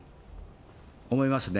思いますね。